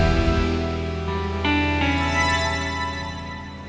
aku gak sengaja